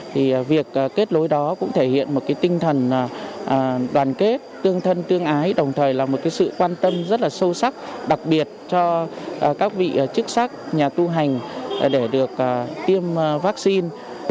thì việc kết lối đó cũng thể hiện một tinh thần đoàn kết tương thân tương ái đồng thời là một sự quan tâm rất là sâu sắc đặc biệt cho các vị chức sắc nhà tu hành để được tiêm vaccine